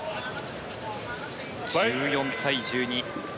１４対１２。